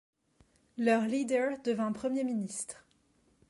Leur leader devint Premier ministre.